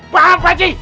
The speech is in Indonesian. paham pak haji